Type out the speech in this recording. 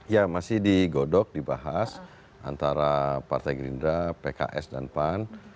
ya masih digodok dibahas antara partai gerindra pks dan pan